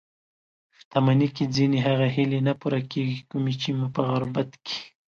شتمني کې ځينې هغه هیلې نه پوره کېږي؛ کومې چې مو په غربت کې